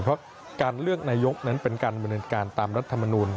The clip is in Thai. เพราะการเลือกนายกนั้นเป็นการบริเวณการตามรัฐมนูล